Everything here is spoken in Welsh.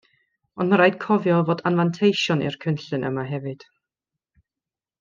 Ond mae rhaid cofio fod anfanteision i'r cynllun yma hefyd